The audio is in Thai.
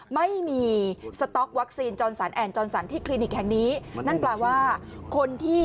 ไม่มีจรสรรแอ่นจรสรรที่คลินิกแห่งนี้นั่นเปล่าว่าคนที่